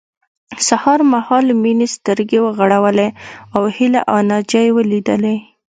سهار مهال مينې سترګې وغړولې او هيله او ناجيه يې وليدلې